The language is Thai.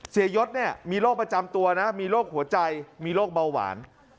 ยศเนี่ยมีโรคประจำตัวนะมีโรคหัวใจมีโรคเบาหวาน